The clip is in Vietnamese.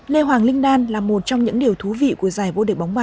lê hoàng linh đan là một trong những điều thú vị của giải vô địch bóng bàn